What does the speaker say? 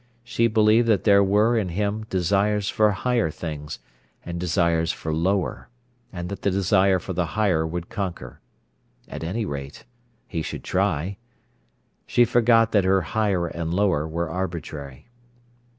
She believed that there were in him desires for higher things, and desires for lower, and that the desire for the higher would conquer. At any rate, he should try. She forgot that her "higher" and "lower" were arbitrary.